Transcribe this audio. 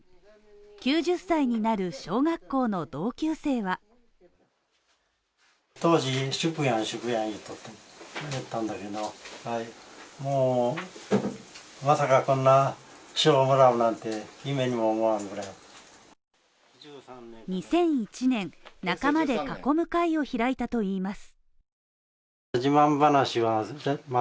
９０歳になる小学校の同級生は２００１年、仲間で囲む会を開いたといいます。